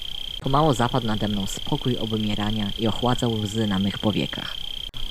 "Pomału zapadł nade mną spokój obumierania i ochładzał łzy na mych powiekach."